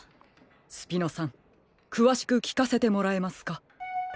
スピノさんくわしくきかせてもらえますか？